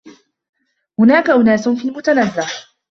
هناك أناس في المتنزه.